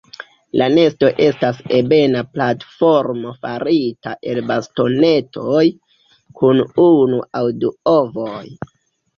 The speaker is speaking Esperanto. La nesto estas ebena platformo farita el bastonetoj, kun unu aŭ du ovoj.